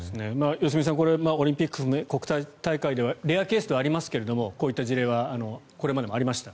良純さん、これオリンピックのような国際大会ではレアケースではありますがこういった事例はこれまでもありました。